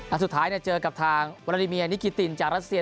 อันสุดท้ายเนี่ยเจอกับทางวารดิเมียนิกิติลจากรัสเซีย